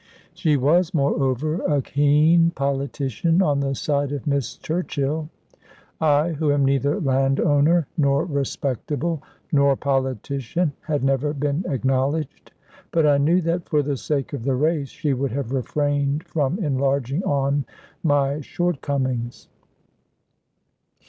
She was, moreover, a keen politician on the side of Miss Churchill. I, who am neither land owner, nor respectable, nor politician, had never been acknowledged but I knew that, for the sake of the race, she would have refrained from enlarging on my shortcomings.